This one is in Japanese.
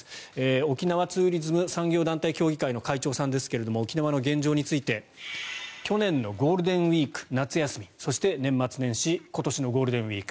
沖縄ツーリズム産業団体協議会の会長さんですけれども沖縄の現状について去年のゴールデンウィーク夏休み、そして年末年始今年のゴールデンウィーク。